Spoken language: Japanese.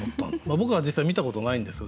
僕は実際に見たことないんです。